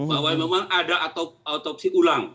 bahwa memang ada otopsi ulang